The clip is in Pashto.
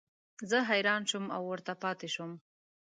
زه حیران شوم او ورته پاتې شوم.